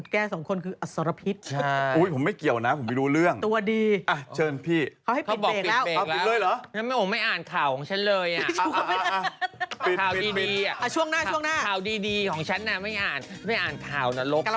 เขาบอกปิดเบรกแล้วไม่อ่านข่าวของฉันเลยอ่ะข่าวดีดีอ่ะข่าวดีดีของฉันน่ะไม่อ่านไม่อ่านข่าวนรกเลย